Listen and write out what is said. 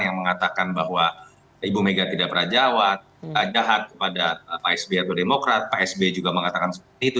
yang mengatakan bahwa ibu mega tidak perajawat jahat kepada pak sby atau demokrat pak sby juga mengatakan seperti itu